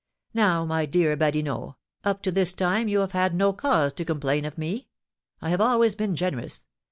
Now, my dear Badinot, up to this time you have had no cause to complain of me. I have always been generous.